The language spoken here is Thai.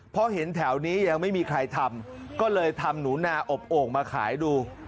เพราะเห็นแถวนี้ยังไม่มีใครทำก็เลยทำหนูนาอบโอ่งมาขายดู